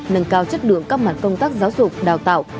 nâng cao chất lượng các mặt công tác giáo dục đào tạo